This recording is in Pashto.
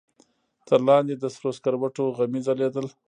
تر لاندې د سرو سکروټو غمي ځلېدل.